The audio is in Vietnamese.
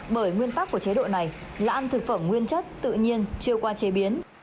bởi nguyên tắc của chế độ này là ăn thực phẩm nguyên chất tự nhiên chưa qua chế biến